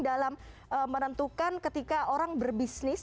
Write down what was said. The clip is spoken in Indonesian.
dalam menentukan ketika orang berbisnis